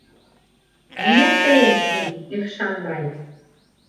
Нимәстәйең һин, Ихшанбай?!